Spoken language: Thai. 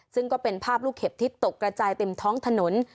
ซึ่งก็เป็นภาพลูกเห็บที่ตกกระจายเต็มท้องถนน